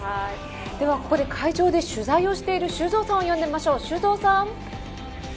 ではここで会場で取材をしている修造さんを呼んでみましょう修造さん。